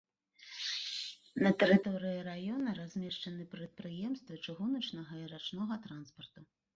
На тэрыторыі раёна размешчаны прадпрыемствы чыгуначнага і рачнога транспарту.